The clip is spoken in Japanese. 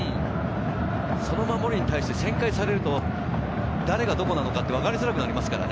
その守りに対して旋回されると誰がどこなのか、わかりづらくなりますからね。